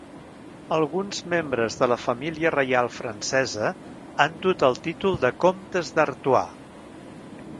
Alguns membres de la família reial francesa han dut el títol de comtes d'Artois.